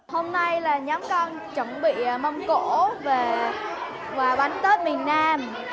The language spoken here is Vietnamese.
hôm nay là nhóm con chuẩn bị mông cổ và bánh tết miền nam